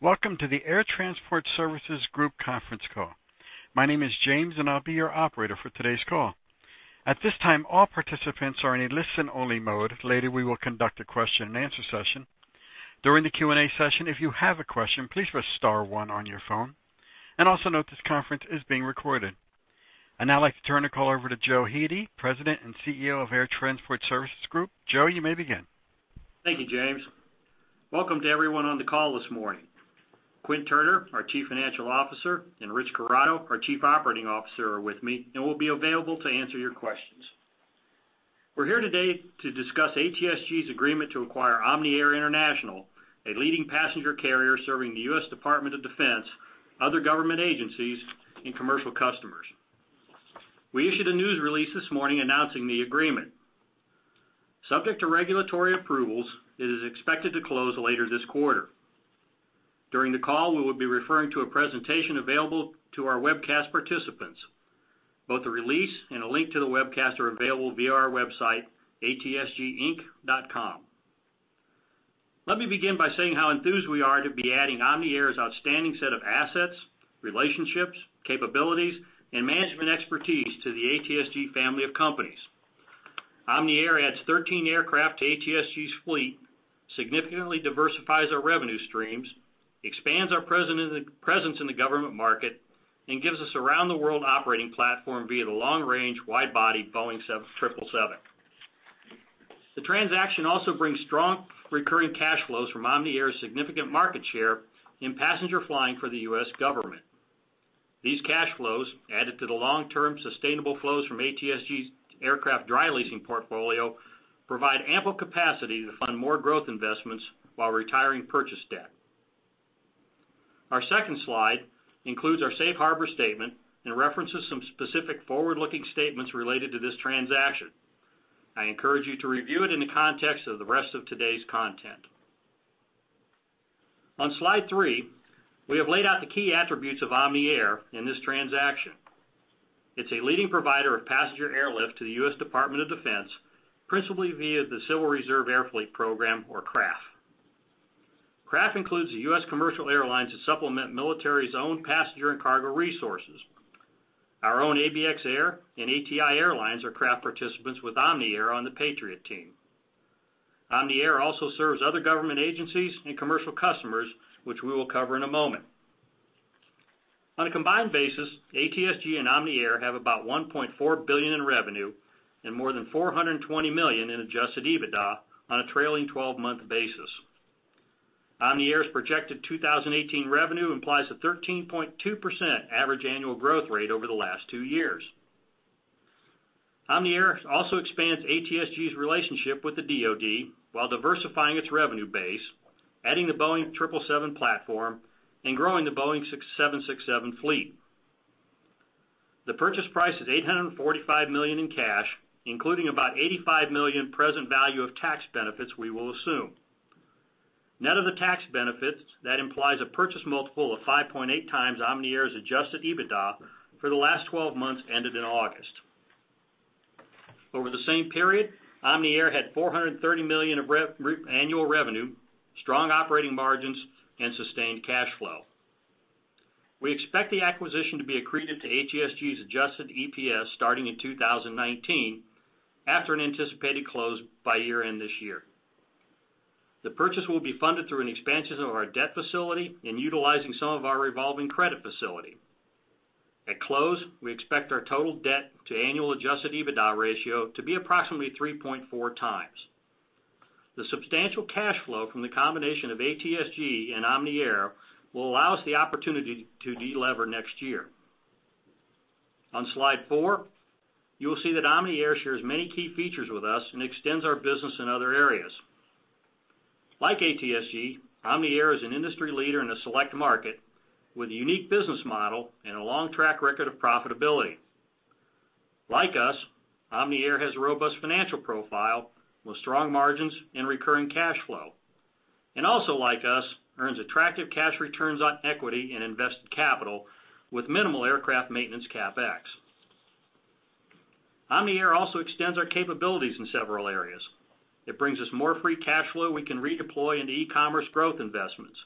Welcome to the Air Transport Services Group conference call. My name is James, and I'll be your operator for today's call. At this time, all participants are in a listen-only mode. Later, we will conduct a question and answer session. During the Q&A session, if you have a question, please press star one on your phone, and also note this conference is being recorded. I'd now like to turn the call over to Joe Hete, President and CEO of Air Transport Services Group. Joe, you may begin. Thank you, James. Welcome to everyone on the call this morning. Quint Turner, our Chief Financial Officer, and Rich Corrado, our Chief Operating Officer, are with me and will be available to answer your questions. We're here today to discuss ATSG's agreement to acquire Omni Air International, a leading passenger carrier serving the U.S. Department of Defense, other government agencies, and commercial customers. We issued a news release this morning announcing the agreement. Subject to regulatory approvals, it is expected to close later this quarter. During the call, we will be referring to a presentation available to our webcast participants. Both the release and a link to the webcast are available via our website, atsginc.com. Let me begin by saying how enthused we are to be adding Omni Air's outstanding set of assets, relationships, capabilities, and management expertise to the ATSG family of companies. Omni Air adds 13 aircraft to ATSG's fleet, significantly diversifies our revenue streams, expands our presence in the government market, and gives us a round-the-world operating platform via the long-range, wide-bodied Boeing 777. The transaction also brings strong recurring cash flows from Omni Air's significant market share in passenger flying for the U.S. government. These cash flows, added to the long-term sustainable flows from ATSG's aircraft dry leasing portfolio, provide ample capacity to fund more growth investments while retiring purchase debt. Our second slide includes our safe harbor statement and references some specific forward-looking statements related to this transaction. I encourage you to review it in the context of the rest of today's content. On slide three, we have laid out the key attributes of Omni Air in this transaction. It's a leading provider of passenger airlift to the U.S. Department of Defense, principally via the Civil Reserve Air Fleet program, or CRAF. CRAF includes the U.S. commercial airlines that supplement military's own passenger and cargo resources. Our own ABX Air and ATI Airlines are CRAF participants with Omni Air on the Patriot Team. Omni Air also serves other government agencies and commercial customers, which we will cover in a moment. On a combined basis, ATSG and Omni Air have about $1.4 billion in revenue and more than $420 million in adjusted EBITDA on a trailing 12-month basis. Omni Air's projected 2018 revenue implies a 13.2% average annual growth rate over the last two years. Omni Air also expands ATSG's relationship with the DoD while diversifying its revenue base, adding the Boeing 777 platform, and growing the Boeing 767 fleet. The purchase price is $845 million in cash, including about $85 million present value of tax benefits we will assume. Net of the tax benefits, that implies a purchase multiple of 5.8x Omni Air's adjusted EBITDA for the last 12 months ended in August. Over the same period, Omni Air had $430 million of annual revenue, strong operating margins, and sustained cash flow. We expect the acquisition to be accretive to ATSG's adjusted EPS starting in 2019 after an anticipated close by year-end this year. The purchase will be funded through an expansion of our debt facility and utilizing some of our revolving credit facility. At close, we expect our total debt to annual adjusted EBITDA ratio to be approximately 3.4x. The substantial cash flow from the combination of ATSG and Omni Air will allow us the opportunity to de-lever next year. On slide four, you will see that Omni Air shares many key features with us and extends our business in other areas. Like ATSG, Omni Air is an industry leader in a select market with a unique business model and a long track record of profitability. Like us, Omni Air has a robust financial profile with strong margins and recurring cash flow, and also like us, earns attractive cash returns on equity and invested capital with minimal aircraft maintenance CapEx. Omni Air also extends our capabilities in several areas. It brings us more free cash flow we can redeploy into e-commerce growth investments,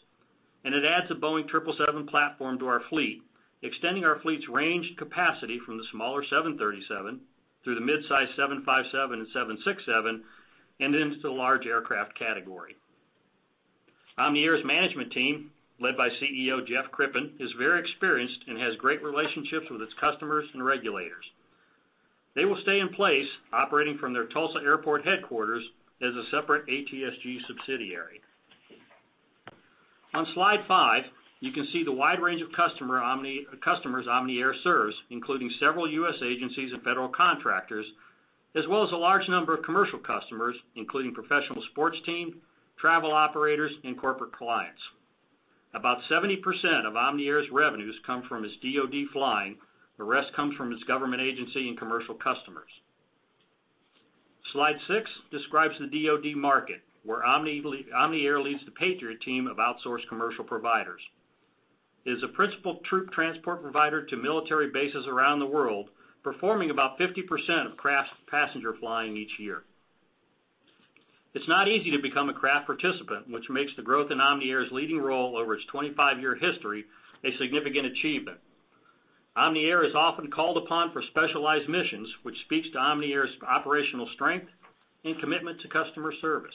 and it adds a Boeing 777 platform to our fleet, extending our fleet's range and capacity from the smaller 737 through the midsize 757 and 767 and into the large aircraft category. Omni Air's management team, led by CEO Jeff Crippen, is very experienced and has great relationships with its customers and regulators. They will stay in place, operating from their Tulsa Airport headquarters as a separate ATSG subsidiary. On slide five, you can see the wide range of customers Omni Air serves, including several U.S. agencies and federal contractors, as well as a large number of commercial customers, including professional sports teams, travel operators, and corporate clients. About 70% of Omni Air's revenues come from its DoD flying. The rest comes from its government agency and commercial customers. Slide six describes the DoD market, where Omni Air leads the Patriot Team of outsourced commercial providers. It is a principal troop transport provider to military bases around the world, performing about 50% of CRAF's passenger flying each year. It's not easy to become a CRAF participant, which makes the growth in Omni Air's leading role over its 25-year history a significant achievement. Omni Air is often called upon for specialized missions, which speaks to Omni Air's operational strength and commitment to customer service.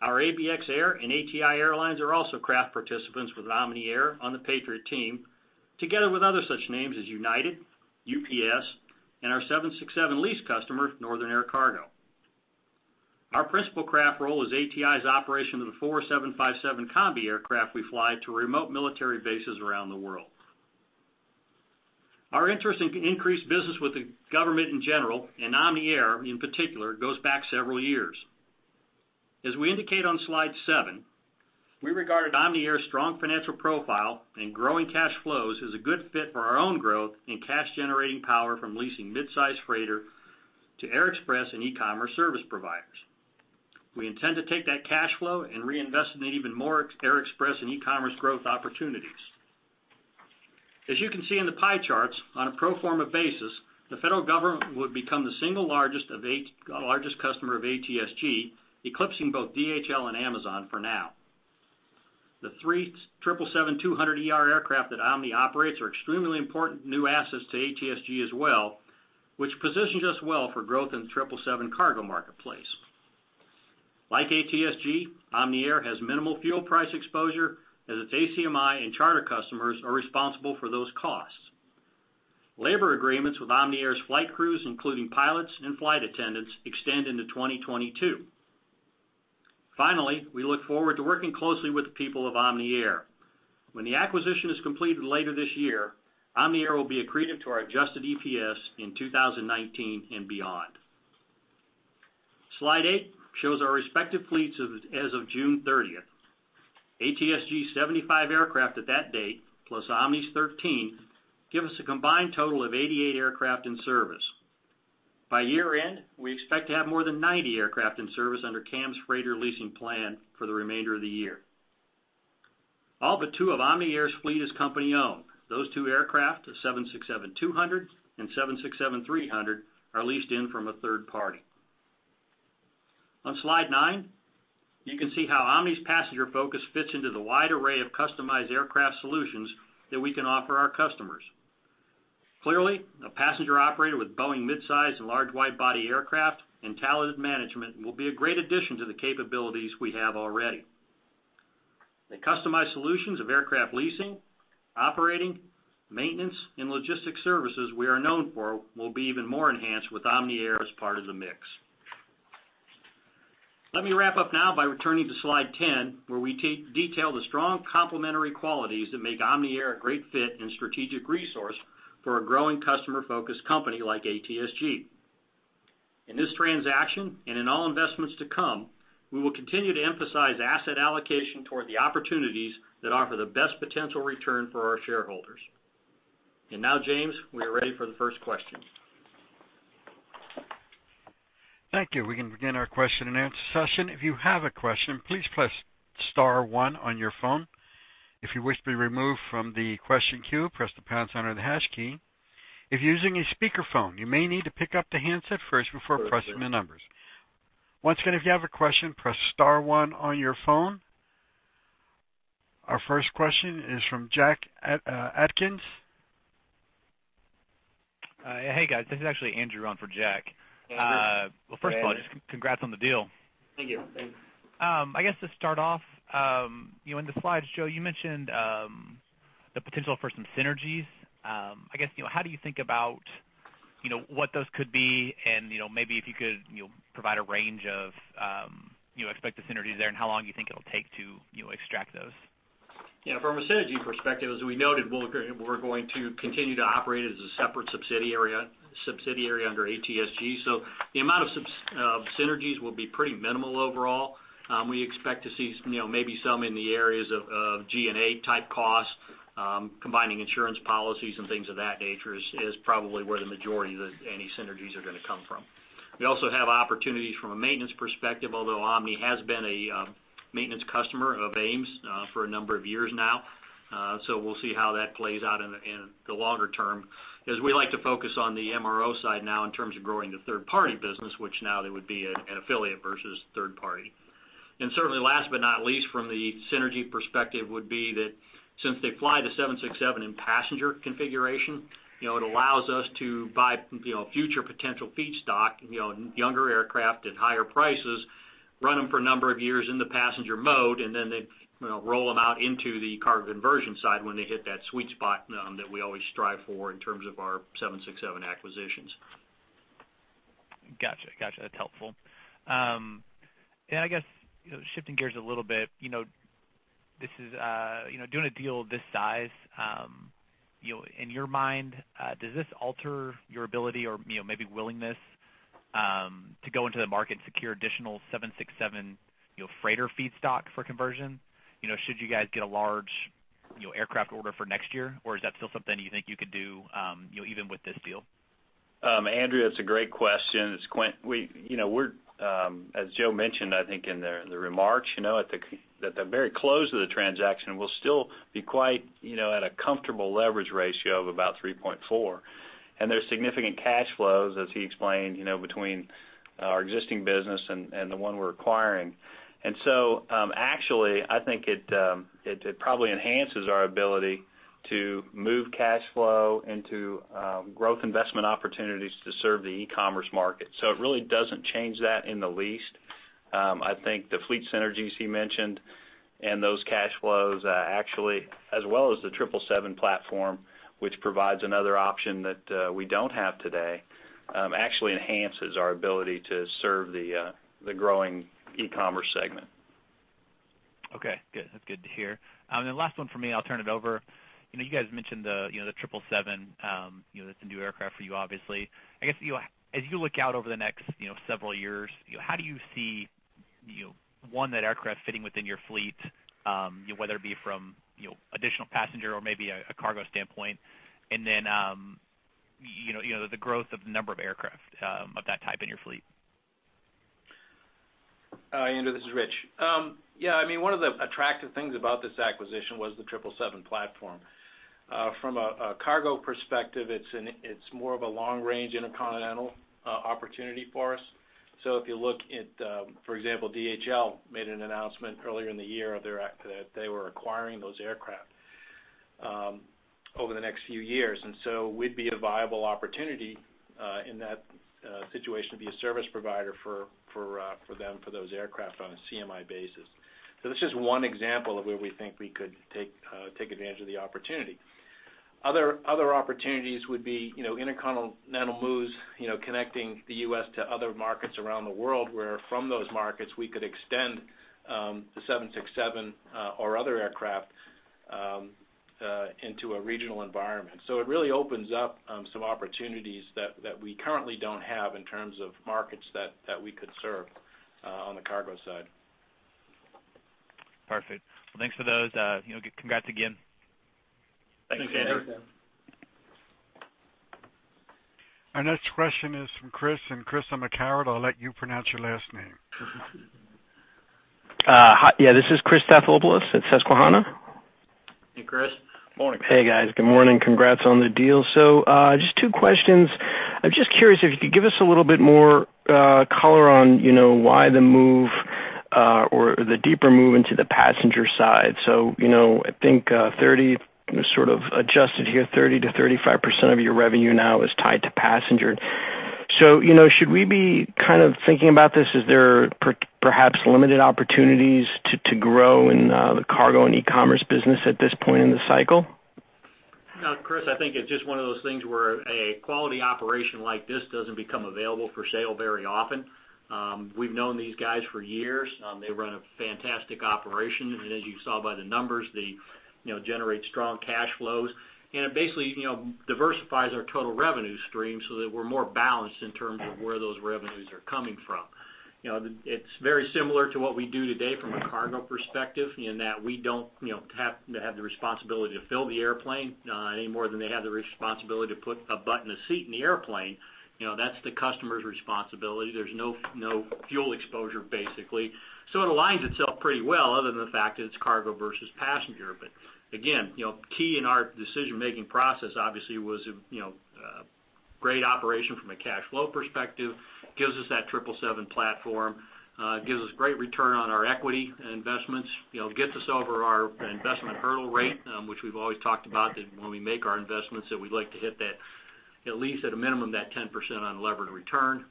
Our ABX Air and ATI Airlines are also CRAF participants with Omni Air on the Patriot Team, together with other such names as United, UPS, and our 767 lease customer, Northern Air Cargo. Our principal CRAF role is ATI's operation of the four 757 Combi aircraft we fly to remote military bases around the world. Our interest in increased business with the government in general, and Omni Air, in particular, goes back several years. As we indicate on Slide 7, we regarded Omni Air's strong financial profile and growing cash flows as a good fit for our own growth in cash-generating power from leasing midsize freighter to air express and e-commerce service providers. We intend to take that cash flow and reinvest in even more air express and e-commerce growth opportunities. As you can see in the pie charts, on a pro forma basis, the federal government would become the single largest customer of ATSG, eclipsing both DHL and Amazon for now. The three 777-200ER aircraft that Omni operates are extremely important new assets to ATSG as well, which positions us well for growth in the 777 cargo marketplace. Like ATSG, Omni Air has minimal fuel price exposure, as its ACMI and charter customers are responsible for those costs. Labor agreements with Omni Air's flight crews, including pilots and flight attendants, extend into 2022. Finally, we look forward to working closely with the people of Omni Air. When the acquisition is completed later this year, Omni Air will be accretive to our adjusted EPS in 2019 and beyond. Slide 8 shows our respective fleets as of June 30th. ATSG's 75 aircraft at that date, plus Omni's 13, give us a combined total of 88 aircraft in service. By year-end, we expect to have more than 90 aircraft in service under CAM's freighter leasing plan for the remainder of the year. All but two of Omni Air's fleet is company-owned. Those two aircraft, a 767-200 and 767-300, are leased in from a third party. On Slide 9, you can see how Omni's passenger focus fits into the wide array of customized aircraft solutions that we can offer our customers. Clearly, a passenger operator with Boeing midsize and large wide-body aircraft and talented management will be a great addition to the capabilities we have already. The customized solutions of aircraft leasing, operating, maintenance, and logistics services we are known for will be even more enhanced with Omni Air as part of the mix. Let me wrap up now by returning to Slide 10, where we detail the strong complementary qualities that make Omni Air a great fit and strategic resource for a growing customer-focused company like ATSG. In this transaction and in all investments to come, we will continue to emphasize asset allocation toward the opportunities that offer the best potential return for our shareholders. Now, James, we are ready for the first question. Thank you. We can begin our question and answer session. If you have a question, please press *1 on your phone. If you wish to be removed from the question queue, press the pound sign or the hash key. If you're using a speakerphone, you may need to pick up the handset first before pressing the numbers. Once again, if you have a question, press *1 on your phone. Our first question is from Jack Atkins. Hey, guys. This is actually Andrew on for Jack. Andrew. Well, first of all, just congrats on the deal. Thank you. I guess to start off, in the slides, Joe, you mentioned the potential for some synergies. How do you think about what those could be, and maybe if you could provide a range of expected synergies there and how long you think it'll take to extract those? From a synergy perspective, as we noted, we're going to continue to operate as a separate subsidiary under ATSG. The amount of synergies will be pretty minimal overall. We expect to see maybe some in the areas of G&A type costs, combining insurance policies and things of that nature is probably where the majority of any synergies are going to come from. We also have opportunities from a maintenance perspective, although Omni has been a maintenance customer of AMES for a number of years now. We'll see how that plays out in the longer term, as we like to focus on the MRO side now in terms of growing the third-party business, which now they would be an affiliate versus third party. Certainly last but not least from the synergy perspective would be that since they fly the 767 in passenger configuration, it allows us to buy future potential feedstock, younger aircraft at higher prices, run them for a number of years in the passenger mode, and then they roll them out into the cargo conversion side when they hit that sweet spot that we always strive for in terms of our 767 acquisitions. Got you. That's helpful. Shifting gears a little bit, doing a deal this size, in your mind, does this alter your ability or maybe willingness to go into the market and secure additional 767 freighter feedstock for conversion? Should you guys get a large aircraft order for next year? Or is that still something you think you could do even with this deal? Andrew, that's a great question. As Joe mentioned, I think in the remarks, at the very close of the transaction, we'll still be quite at a comfortable leverage ratio of about 3.4. There's significant cash flows, as he explained, between our existing business and the one we're acquiring. Actually, I think it probably enhances our ability to move cash flow into growth investment opportunities to serve the e-commerce market. It really doesn't change that in the least. I think the fleet synergies he mentioned and those cash flows, actually, as well as the 777 platform, which provides another option that we don't have today, actually enhances our ability to serve the growing e-commerce segment. Okay, good. That's good to hear. Last one from me, I'll turn it over. You guys mentioned the 777. That's a new aircraft for you, obviously. I guess, as you look out over the next several years, how do you see, one, that aircraft fitting within your fleet, whether it be from additional passenger or maybe a cargo standpoint, and then, the growth of number of aircraft of that type in your fleet? Andrew, this is Rich. Yeah, one of the attractive things about this acquisition was the 777 platform. From a cargo perspective, it's more of a long-range intercontinental opportunity for us. If you look at, for example, DHL made an announcement earlier in the year that they were acquiring those aircraft over the next few years. We'd be a viable opportunity in that situation to be a service provider for them for those aircraft on a CMI basis. That's just one example of where we think we could take advantage of the opportunity. Other opportunities would be intercontinental moves connecting the U.S. to other markets around the world, where from those markets, we could extend the 767 or other aircraft into a regional environment. It really opens up some opportunities that we currently don't have in terms of markets that we could serve on the cargo side. Perfect. Thanks for those. Congrats again. Thanks, Andrew. Thank you. Our next question is from Chris. Chris, I'm a coward, I'll let you pronounce your last name. Hi. Yeah, this is Chris Stathopoulos at Susquehanna. Hey, Chris. Morning. Hey, guys. Good morning. Congrats on the deal. Just two questions. I'm just curious if you could give us a little bit more color on why the move or the deeper move into the passenger side. I think sort of adjusted here, 30%-35% of your revenue now is tied to passenger. Should we be kind of thinking about this as there are perhaps limited opportunities to grow in the cargo and e-commerce business at this point in the cycle? No, Chris, I think it's just one of those things where a quality operation like this doesn't become available for sale very often. We've known these guys for years. They run a fantastic operation, and as you saw by the numbers, they generate strong cash flows. It basically diversifies our total revenue stream so that we're more balanced in terms of where those revenues are coming from. It's very similar to what we do today from a cargo perspective, in that we don't have to have the responsibility to fill the airplane any more than they have the responsibility to put a butt in a seat in the airplane. That's the customer's responsibility. There's no fuel exposure, basically. It aligns itself pretty well other than the fact that it's cargo versus passenger. Again, key in our decision-making process, obviously, was a great operation from a cash flow perspective. Gives us that 777 platform, gives us great return on our equity investments. Gets us over our investment hurdle rate, which we've always talked about that when we make our investments, that we'd like to hit at least at a minimum, that 10% unlevered return.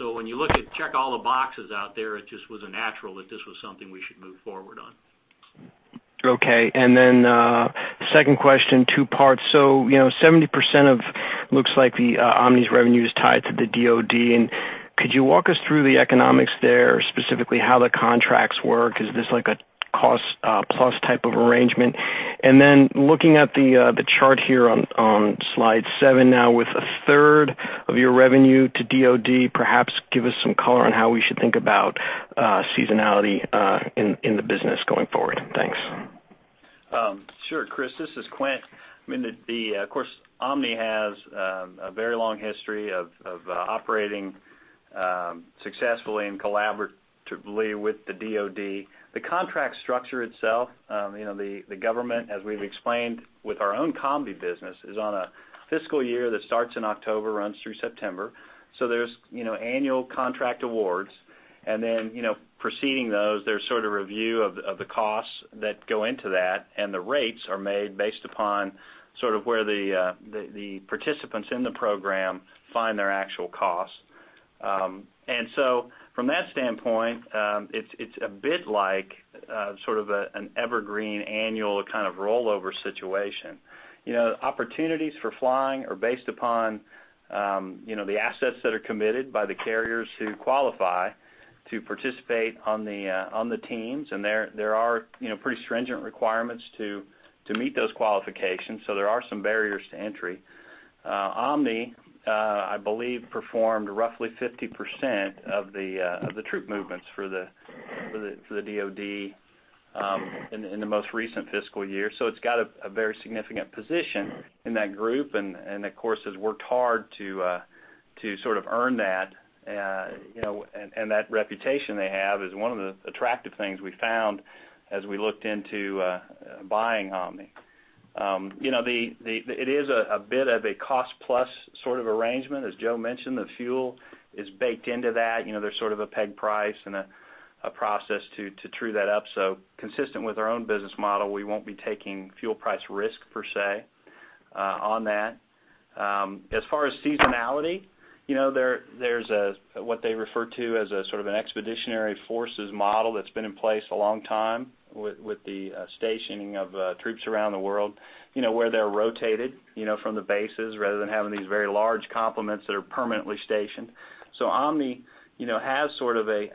When you check all the boxes out there, it just was a natural that this was something we should move forward on. Okay. Second question, two parts. 70% looks like Omni's revenue is tied to the DoD. Could you walk us through the economics there, specifically how the contracts work? Is this like a cost-plus type of arrangement? Looking at the chart here on slide seven now with a third of your revenue to DoD, perhaps give us some color on how we should think about seasonality in the business going forward. Thanks. Sure, Chris. This is Quint. Of course, Omni has a very long history of operating successfully and collaboratively with the DoD. The contract structure itself, the government, as we've explained with our own Combi business, is on a fiscal year that starts in October, runs through September. There's annual contract awards. Preceding those, there's sort of review of the costs that go into that, and the rates are made based upon sort of where the participants in the program find their actual costs. From that standpoint, it's a bit like sort of an evergreen annual kind of rollover situation. Opportunities for flying are based upon the assets that are committed by the carriers who qualify to participate on the teams, and there are pretty stringent requirements to meet those qualifications, so there are some barriers to entry. Omni, I believe, performed roughly 50% of the troop movements for the DoD in the most recent fiscal year. It's got a very significant position in that group and of course, has worked hard to sort of earn that. That reputation they have is one of the attractive things we found as we looked into buying Omni. It is a bit of a cost-plus sort of arrangement. As Joe mentioned, the fuel is baked into that. There's sort of a pegged price and a process to true that up. Consistent with our own business model, we won't be taking fuel price risk, per se, on that. As far as seasonality, there's what they refer to as a sort of an expeditionary forces model that's been in place a long time with the stationing of troops around the world where they're rotated from the bases rather than having these very large complements that are permanently stationed. Omni has sort of a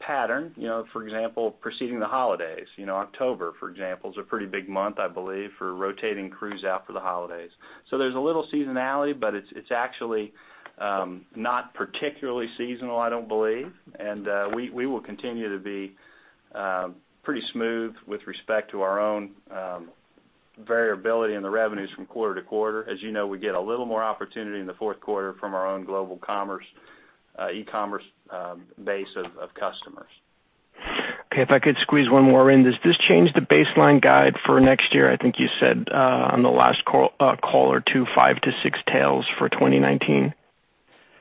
pattern. For example, preceding the holidays. October, for example, is a pretty big month, I believe, for rotating crews out for the holidays. There's a little seasonality, but it's actually not particularly seasonal, I don't believe. We will continue to be pretty smooth with respect to our own variability in the revenues from quarter to quarter. As you know, we get a little more opportunity in the fourth quarter from our own global commerce, e-commerce base of customers. Okay. If I could squeeze one more in. Does this change the baseline guide for next year? I think you said on the last call or two, five to six tails for 2019.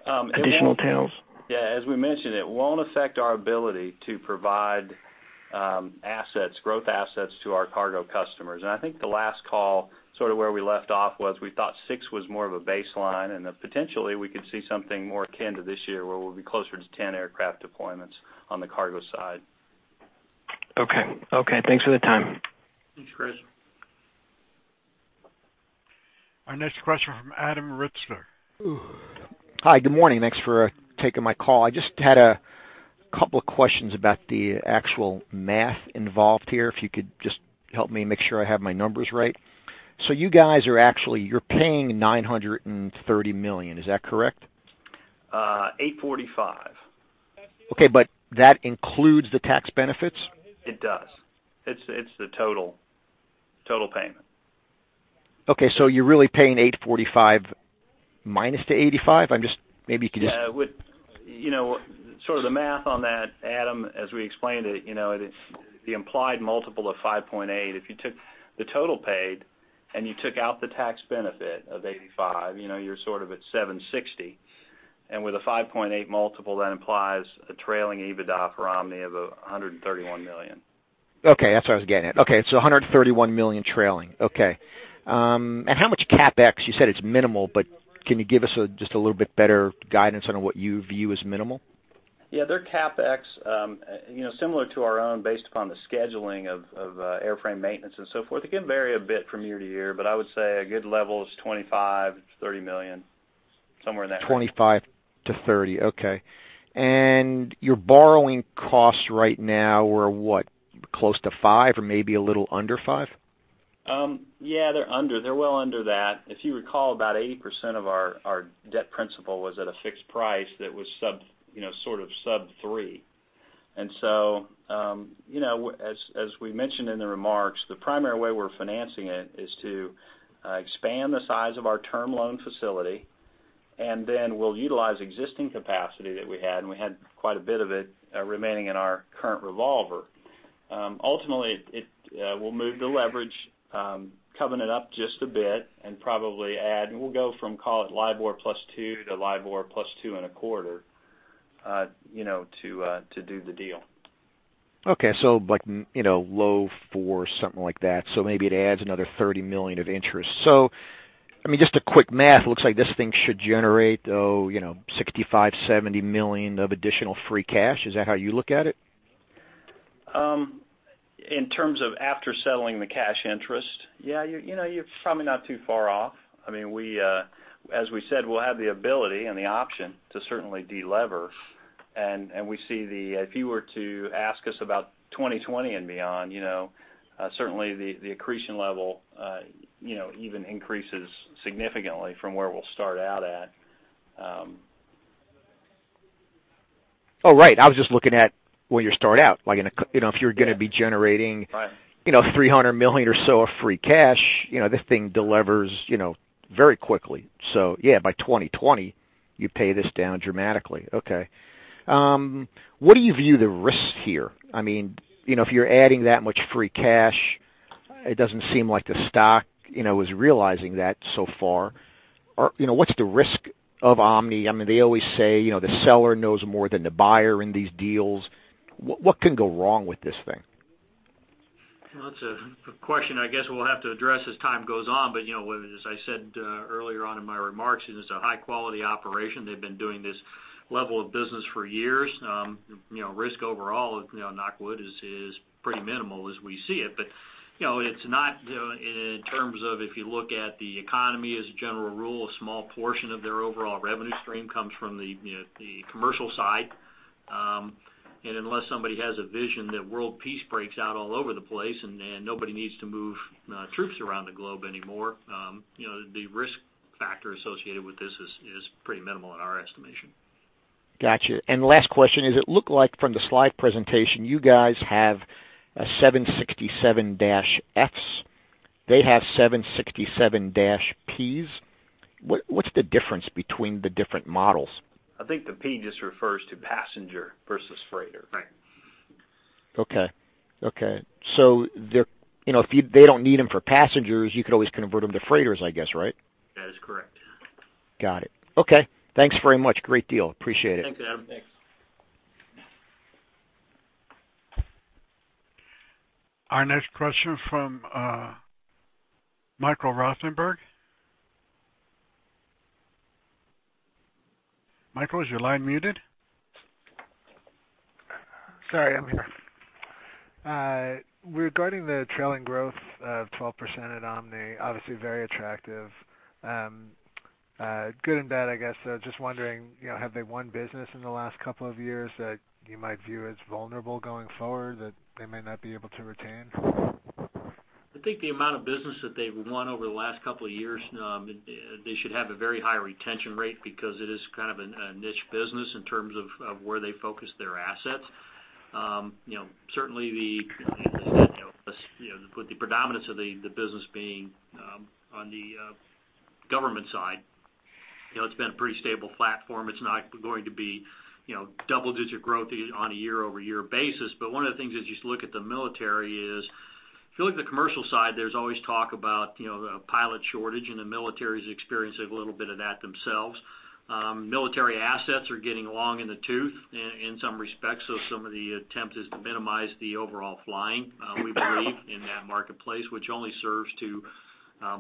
Additional tails. Yeah. As we mentioned, it won't affect our ability to provide growth assets to our cargo customers. I think the last call, sort of where we left off was we thought six was more of a baseline, and that potentially we could see something more akin to this year where we'll be closer to 10 aircraft deployments on the cargo side. Okay. Thanks for the time. Thanks, Chris. Our next question from Adam Ritzer. Hi, good morning. Thanks for taking my call. I just had a couple of questions about the actual math involved here, if you could just help me make sure I have my numbers right. You guys are actually, you're paying $930 million. Is that correct? $845 million. Okay, that includes the tax benefits? It does. It's the total payment. Okay. You're really paying $845 minus the $85? Sort of the math on that, Adam, as we explained it, the implied multiple of 5.8, if you took the total paid and you took out the tax benefit of $85, you're sort of at $760. With a 5.8 multiple, that implies a trailing EBITDA for Omni of $131 million. Okay. That's where I was getting at. Okay, $131 million trailing. Okay. How much CapEx? You said it's minimal, but can you give us just a little bit better guidance on what you view as minimal? Yeah. Their CapEx, similar to our own, based upon the scheduling of airframe maintenance and so forth. It can vary a bit from year to year, I would say a good level is $25 million-$30 million, somewhere in that range. $25 million-$30 million. Okay. Your borrowing costs right now are what? Close to five or maybe a little under five? Yeah, they're under. They're well under that. If you recall, about 80% of our debt principal was at a fixed price that was sort of sub three. As we mentioned in the remarks, the primary way we're financing it is to expand the size of our term loan facility, and then we'll utilize existing capacity that we had, and we had quite a bit of it remaining in our current revolver. Ultimately, we'll move the leverage, covenant up just a bit and probably add, and we'll go from call it LIBOR plus two to LIBOR plus two and a quarter to do the deal. Okay. Like low fours, something like that. Maybe it adds another $30 million of interest. Just a quick math, looks like this thing should generate, oh, $65 million, $70 million of additional free cash. Is that how you look at it? In terms of after settling the cash interest, yeah, you're probably not too far off. As we said, we'll have the ability and the option to certainly delever. We see if you were to ask us about 2020 and beyond, certainly the accretion level even increases significantly from where we'll start out at. Oh, right. I was just looking at where you start out. If you're going to be generating $300 million or so of free cash, this thing delevers very quickly. Yeah, by 2020, you pay this down dramatically. Okay. What do you view the risk here? If you're adding that much free cash, it doesn't seem like the stock is realizing that so far. What's the risk of Omni? They always say the seller knows more than the buyer in these deals. What can go wrong with this thing? Well, that's a question I guess we'll have to address as time goes on. As I said earlier on in my remarks, it is a high-quality operation. They've been doing this level of business for years. Risk overall, knock on wood, is pretty minimal as we see it. It's not in terms of if you look at the economy as a general rule, a small portion of their overall revenue stream comes from the commercial side. Unless somebody has a vision that world peace breaks out all over the place and nobody needs to move troops around the globe anymore, the risk factor associated with this is pretty minimal in our estimation. Got you. Last question, is it look like from the slide presentation you guys have a 767-F. They have 767-P. What's the difference between the different models? I think the P just refers to passenger versus freighter. Right. Okay. If they don't need them for passengers, you could always convert them to freighters, I guess, right? That is correct. Got it. Okay. Thanks very much. Great deal. Appreciate it. Thanks, Adam. Thanks. Our next question from Michael Rosenberg. Michael, is your line muted? Sorry, I'm here. Regarding the trailing growth of 12% at Omni, obviously very attractive. Good and bad, I guess. Just wondering, have they won business in the last couple of years that you might view as vulnerable going forward that they may not be able to retain? I think the amount of business that they've won over the last couple of years, they should have a very high retention rate because it is kind of a niche business in terms of where they focus their assets. Certainly the predominance of the business being on the government side, it's been a pretty stable platform. It's not going to be double-digit growth on a year-over-year basis. One of the things as you look at the military is, if you look at the commercial side, there's always talk about the pilot shortage, and the military's experiencing a little bit of that themselves. Military assets are getting long in the tooth in some respects, some of the attempt is to minimize the overall flying, we believe, in that marketplace, which only serves to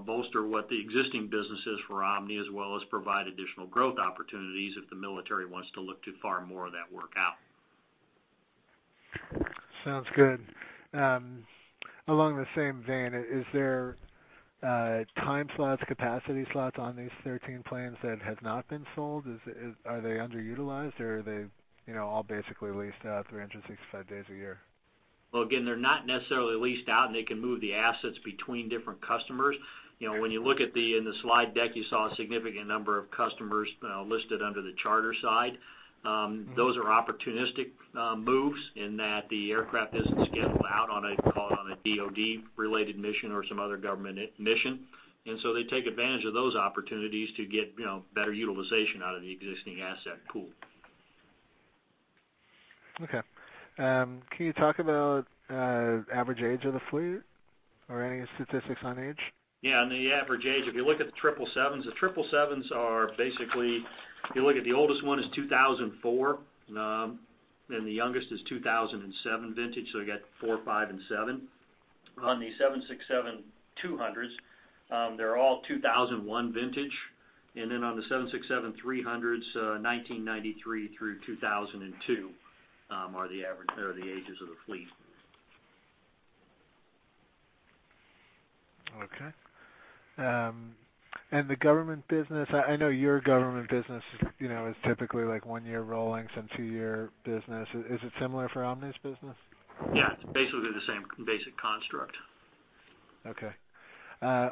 bolster what the existing business is for Omni, as well as provide additional growth opportunities if the military wants to look to farm more of that work out. Sounds good. Along the same vein, is there time slots, capacity slots on these 13 planes that have not been sold? Are they underutilized or are they all basically leased out 365 days a year? Well, again, they're not necessarily leased out, they can move the assets between different customers. When you look at in the slide deck, you saw a significant number of customers listed under the charter side. Those are opportunistic moves in that the aircraft isn't scheduled out on a DoD-related mission or some other government mission. They take advantage of those opportunities to get better utilization out of the existing asset pool. Okay. Can you talk about average age of the fleet or any statistics on age? Yeah. On the average age, if you look at the 777s, the 777s are basically, if you look at the oldest one is 2004, and the youngest is 2007 vintage. You got 2004, 2005 and 2007. On the 767-200s, they're all 2001 vintage. On the 767-300s, 1993 through 2002 are the ages of the fleet. Okay. The government business, I know your government business is typically one-year rolling, some two-year business. Is it similar for Omni's business? Yeah, it's basically the same basic construct. Okay.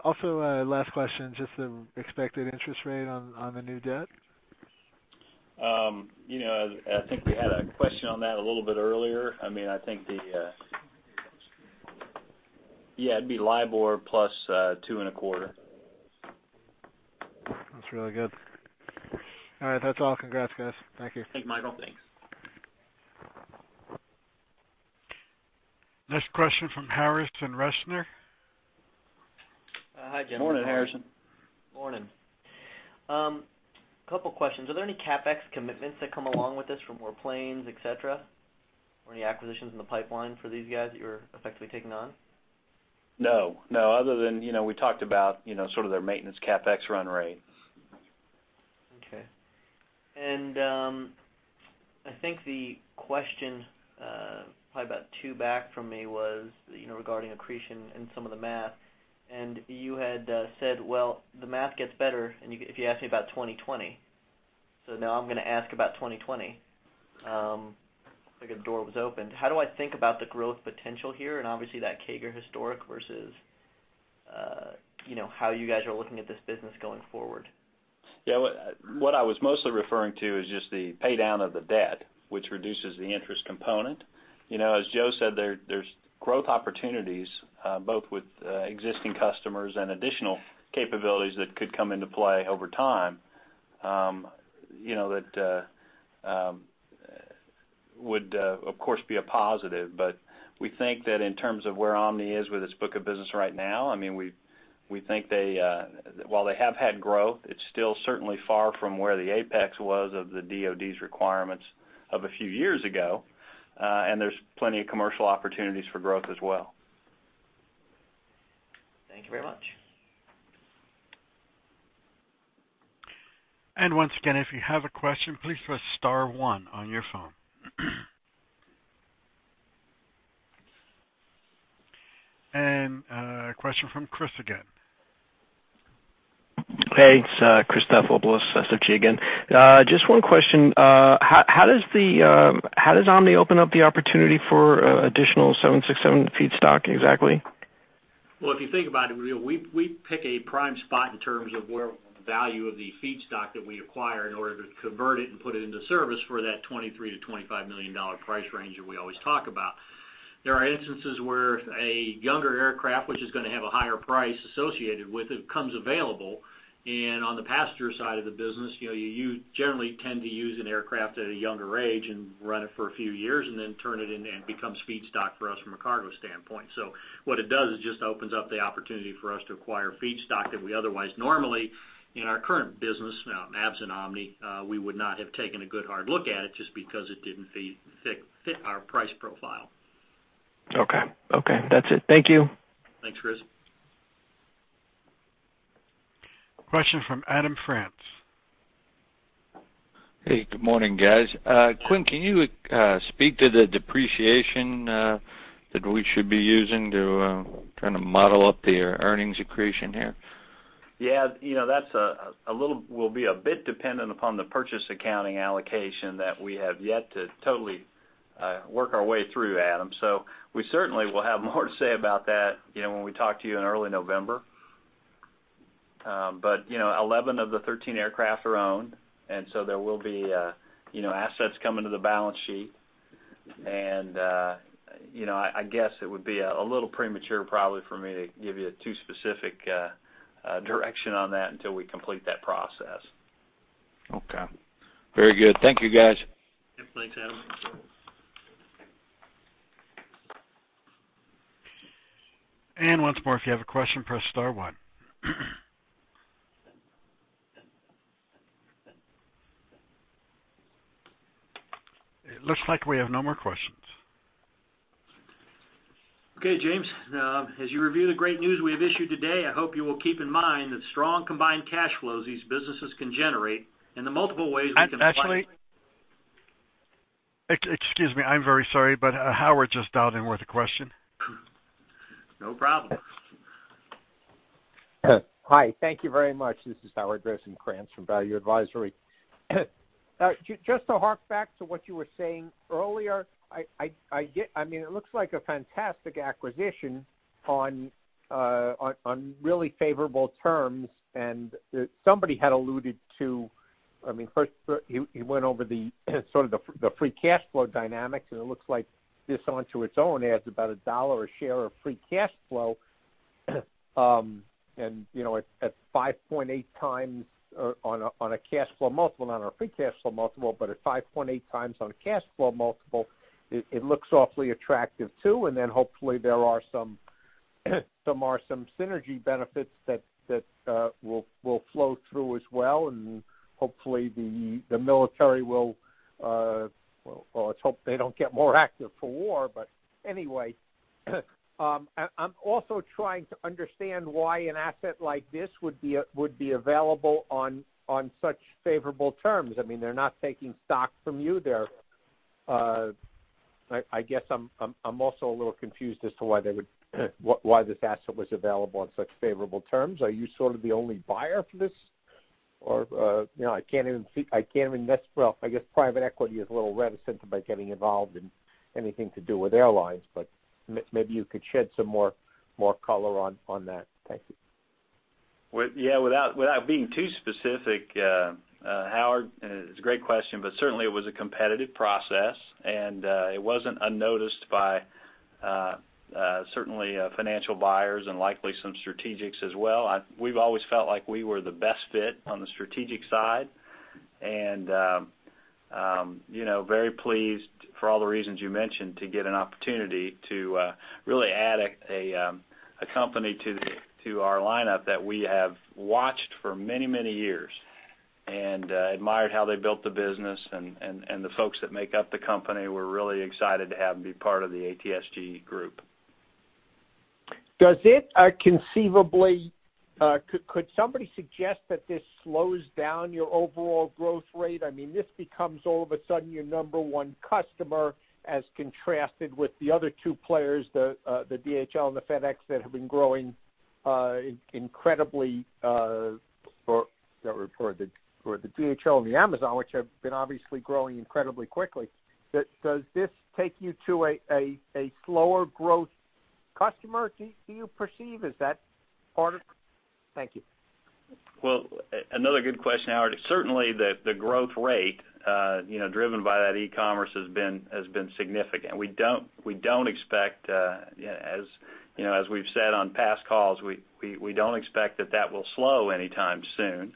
Also, last question, just the expected interest rate on the new debt? I think we had a question on that a little bit earlier. I think Yeah, it'd be LIBOR plus two and a quarter. That's really good. All right. That's all. Congrats, guys. Thank you. Thanks, Michael. Thanks. Next question from Harrison Resner. Hi, gentlemen. Morning, Harrison. Morning. Couple questions. Are there any CapEx commitments that come along with this for more planes, et cetera? Any acquisitions in the pipeline for these guys that you're effectively taking on? No. Other than we talked about sort of their maintenance CapEx run rate. Okay. I think the question probably about two back from me was regarding accretion and some of the math, and you had said, "Well, the math gets better if you ask me about 2020." Now I'm going to ask about 2020. It's like a door was opened. How do I think about the growth potential here and obviously that CAGR historic versus how you guys are looking at this business going forward? Yeah. What I was mostly referring to is just the paydown of the debt, which reduces the interest component. As Joe said, there's growth opportunities both with existing customers and additional capabilities that could come into play over time, that would, of course, be a positive. We think that in terms of where Omni is with its book of business right now, we think while they have had growth, it's still certainly far from where the apex was of the DoD's requirements of a few years ago. There's plenty of commercial opportunities for growth as well. Thank you very much. Once again, if you have a question, please press *1 on your phone. A question from Chris again. Hey, it's Christopher Lobo, SFG again. Just one question. How does Omni open up the opportunity for additional 767 feedstock exactly? If you think about it, we pick a prime spot in terms of where the value of the feedstock that we acquire in order to convert it and put it into service for that $23 million-$25 million price range that we always talk about. There are instances where a younger aircraft, which is going to have a higher price associated with it, comes available, and on the passenger side of the business, you generally tend to use an aircraft at a younger age and run it for a few years, and then turn it in, and it becomes feedstock for us from a cargo standpoint. What it does is just opens up the opportunity for us to acquire feedstock that we otherwise normally, in our current business, ABX Air and Omni, we would not have taken a good hard look at it just because it didn't fit our price profile. Okay. That's it. Thank you. Thanks, Chris. Question from Adam French. Hey, good morning, guys. Quint, can you speak to the depreciation that we should be using to kind of model up the earnings accretion here? Yeah. That will be a bit dependent upon the purchase accounting allocation that we have yet to totally work our way through, Adam. We certainly will have more to say about that when we talk to you in early November. 11 of the 13 aircraft are owned, and so there will be assets coming to the balance sheet. I guess it would be a little premature probably for me to give you a too specific direction on that until we complete that process. Okay. Very good. Thank you, guys. Yeah. Thanks, Adam. Once more, if you have a question, press star one. It looks like we have no more questions. Okay, James. As you review the great news we have issued today, I hope you will keep in mind the strong combined cash flows these businesses can generate and the multiple ways we can- Actually. Excuse me, I'm very sorry, but Howard just dialed in with a question. No problem. Hi. Thank you very much. This is Howard Rosenkranz from Value Advisory. Just to hark back to what you were saying earlier, it looks like a fantastic acquisition on really favorable terms. Somebody had alluded to First, you went over the sort of the free cash flow dynamics, and it looks like this onto its own adds about $1 a share of free cash flow. At 5.8 times on a cash flow multiple, not on a free cash flow multiple, but at 5.8 times on a cash flow multiple, it looks awfully attractive too, and then hopefully there are some synergy benefits that will flow through as well, and hopefully the military will Well, let's hope they don't get more active for war. Anyway, I'm also trying to understand why an asset like this would be available on such favorable terms. They're not taking stock from you. I guess I'm also a little confused as to why this asset was available on such favorable terms. Are you sort of the only buyer for this? I guess private equity is a little reticent about getting involved in anything to do with airlines, but maybe you could shed some more color on that. Thank you. Yeah. Without being too specific, Howard, it's a great question, but certainly it was a competitive process, and it wasn't unnoticed by certainly financial buyers and likely some strategics as well. We've always felt like we were the best fit on the strategic side, and very pleased for all the reasons you mentioned to get an opportunity to really add a company to our lineup that we have watched for many, many years and admired how they built the business and the folks that make up the company. We're really excited to have them be part of the ATSG group. Could somebody suggest that this slows down your overall growth rate? This becomes all of a sudden your number one customer as contrasted with the other two players, the DHL and the FedEx that have been growing incredibly, or the DHL and the Amazon, which have been obviously growing incredibly quickly. Does this take you to a slower growth customer? Do you perceive, is that part of Thank you. Well, another good question, Howard. Certainly, the growth rate driven by that e-commerce has been significant. As we've said on past calls, we don't expect that that will slow anytime soon.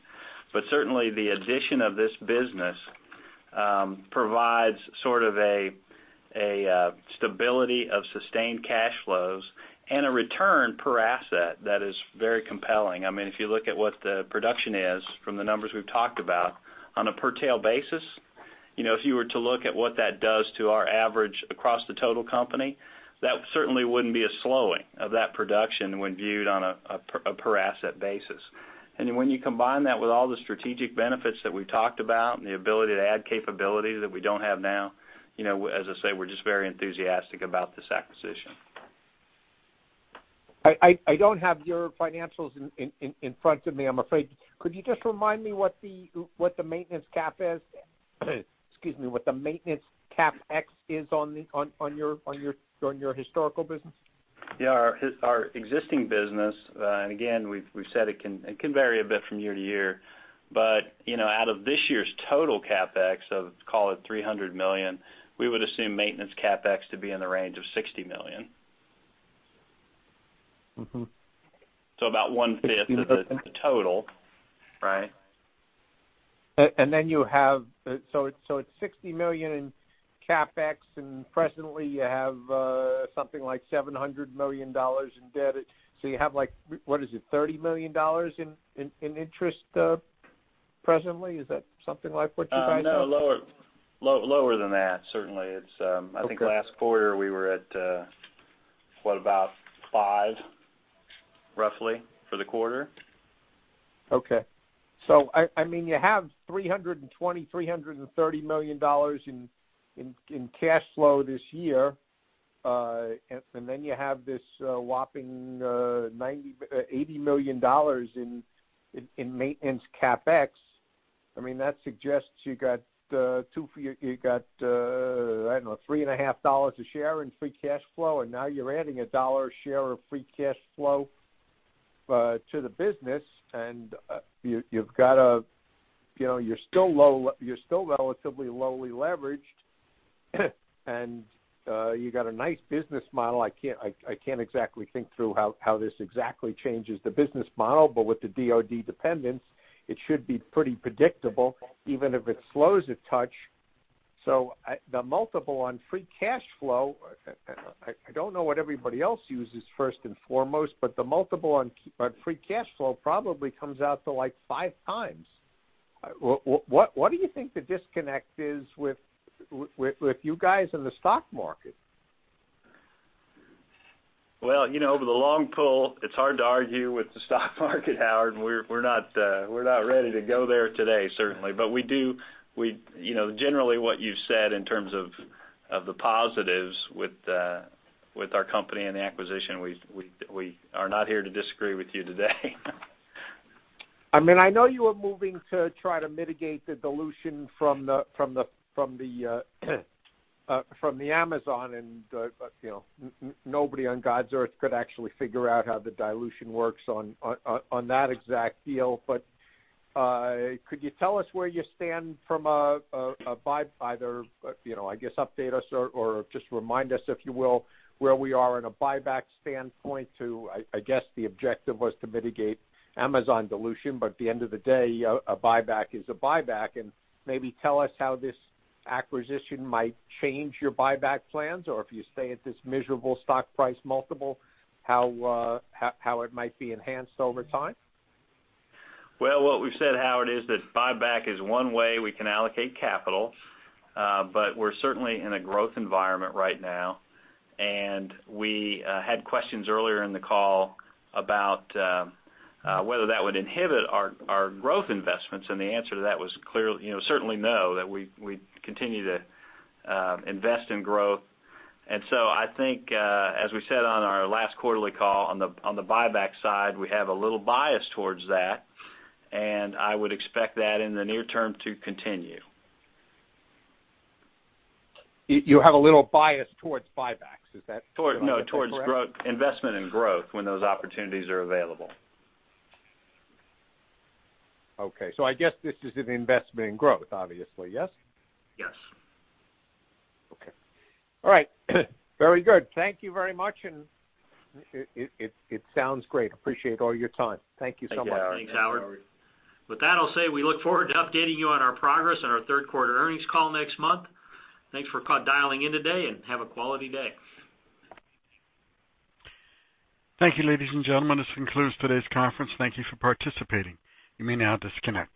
Certainly, the addition of this business provides sort of a stability of sustained cash flows and a return per asset that is very compelling. If you look at what the production is from the numbers we've talked about on a per tail basis, if you were to look at what that does to our average across the total company, that certainly wouldn't be a slowing of that production when viewed on a per asset basis. Then when you combine that with all the strategic benefits that we've talked about and the ability to add capability that we don't have now, as I say, we're just very enthusiastic about this acquisition. I don't have your financials in front of me, I'm afraid. Could you just remind me what the maintenance cap is? Excuse me, what the maintenance CapEx is on your historical business? Yeah. Our existing business, we've said it can vary a bit from year to year, but out of this year's total CapEx of, call it $300 million, we would assume maintenance CapEx to be in the range of $60 million. About one-fifth of the total. Right. Then you have it's $60 million in CapEx, presently, you have something like $700 million in debt. You have, what is it, $30 million in interest presently? Is that something like what you guys have? No, lower than that, certainly. Okay. I think last quarter, we were at, what, about five, roughly, for the quarter. You have $320 million, $330 million in cash flow this year. You have this whopping $80 million in maintenance CapEx. That suggests you got, I don't know, $3.5 a share in free cash flow, and now you are adding $1 a share of free cash flow to the business, and you are still relatively lowly leveraged, and you got a nice business model. I can't exactly think through how this exactly changes the business model, but with the DoD dependence, it should be pretty predictable, even if it slows a touch. The multiple on free cash flow, I don't know what everybody else uses first and foremost, but the multiple on free cash flow probably comes out to like five times. What do you think the disconnect is with you guys and the stock market? Over the long pull, it's hard to argue with the stock market, Howard. We're not ready to go there today, certainly. Generally what you've said in terms of the positives with our company and the acquisition, we are not here to disagree with you today. I know you are moving to try to mitigate the dilution from the Amazon. Nobody on God's earth could actually figure out how the dilution works on that exact deal. Could you tell us where you stand from a buyback, I guess update us or just remind us, if you will, where we are in a buyback standpoint to, I guess the objective was to mitigate Amazon dilution. At the end of the day, a buyback is a buyback. Maybe tell us how this acquisition might change your buyback plans, or if you stay at this miserable stock price multiple, how it might be enhanced over time. Well, what we've said, Howard, is that buyback is one way we can allocate capital. We're certainly in a growth environment right now, and we had questions earlier in the call about whether that would inhibit our growth investments, and the answer to that was certainly no, that we continue to invest in growth. I think as we said on our last quarterly call on the buyback side, we have a little bias towards that, and I would expect that in the near term to continue. You have a little bias towards buybacks. Is that correct? No, towards investment in growth when those opportunities are available. Okay. I guess this is an investment in growth, obviously, yes? Yes. Okay. All right. Very good. Thank you very much, and it sounds great. Appreciate all your time. Thank you so much. Thank you, Howard. Thanks, Howard. With that, I'll say we look forward to updating you on our progress on our third quarter earnings call next month. Thanks for dialing in today and have a quality day. Thank you, ladies and gentlemen. This concludes today's conference. Thank you for participating. You may now disconnect.